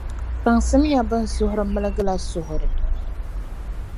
kpaŋsimiya bɛn suhuri miligi la suhuri.